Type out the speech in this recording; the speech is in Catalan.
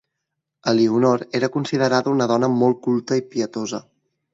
Elionor era considerada una dona molt culta i pietosa.